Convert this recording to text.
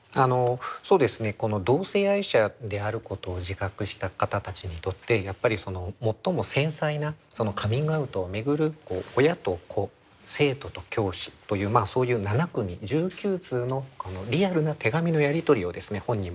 そうですねこの同性愛者であることを自覚した方たちにとってやっぱり最も繊細なカミングアウトを巡る親と子生徒と教師というそういう７組１９通のリアルな手紙のやり取りをですね本に